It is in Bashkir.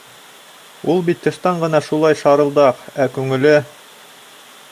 Ул бит тыштан ғына шулай шарылдаҡ, ә күңеле...